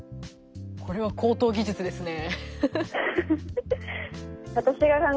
これは高等技術ですね。